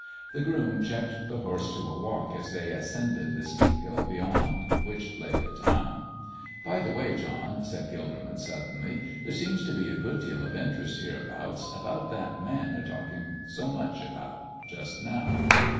The groom checked the horse to a walk as they ascended the steep hill beyond which lay the town. "By the way, John," said Gilderman, suddenly, "there seems to be a good deal of interest hereabouts about that Man they're talking so much of just now."